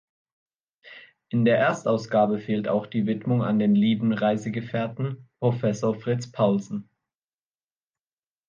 In der Erstausgabe fehlt auch die Widmung an den "lieben Reisegefährten, Professor Fritz Paulsen".